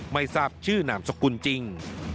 ไม่ทราบชื่อนามสกุลจริง